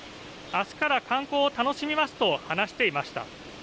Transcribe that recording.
あすから観光を楽しみますと話していました。